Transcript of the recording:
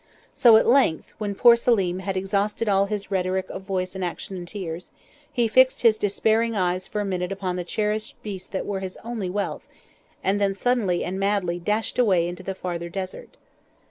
So at length, when poor Selim had exhausted all his rhetoric of voice and action and tears, he fixed his despairing eyes for a minute upon the cherished beasts that were his only wealth, and then suddenly and madly dashed away into the farther Desert.